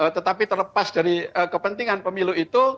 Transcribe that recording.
tetapi terlepas dari kepentingan pemilu itu